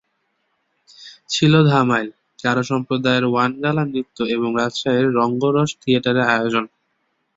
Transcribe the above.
ছিল ধামাইল, গারো সম্প্রদায়ের ওয়ান গালা নৃত্য এবং রাজশাহীর রঙ্গরস থিয়েটারের আয়োজন।